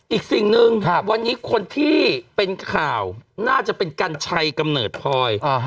อีกสิ่งหนึ่งวันนี้คนที่เป็นข่าวน่าจะเป็นกัญชัยกำเนิดพลอย